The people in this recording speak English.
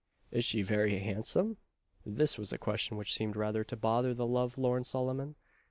"Is she very handsome?" This was a question which seemed rather to bother the love lorn Solomon.